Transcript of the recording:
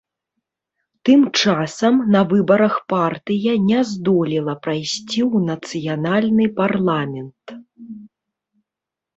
Тым часам, на выбарах партыя не здолела прайсці ў нацыянальны парламент.